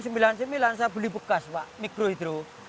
saya beli bekas pak mikro hidro